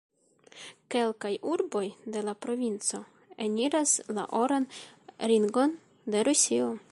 Kelkaj urboj de la provinco eniras la Oran Ringon de Rusio.